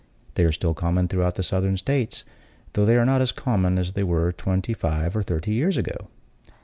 They are still common throughout the Southern States, though they are not as common as they were twenty five or thirty years ago.